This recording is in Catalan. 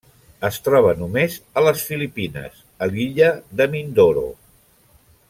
Es troba només a les Filipines, a l'illa de Mindoro.